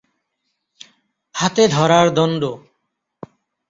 হাতে ধরার দণ্ড।